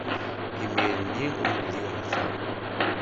Imir-nni ur lliɣ da.